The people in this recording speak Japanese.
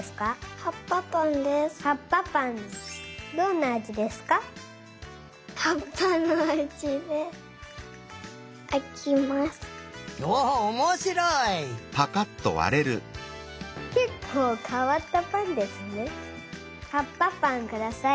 はっぱぱんください。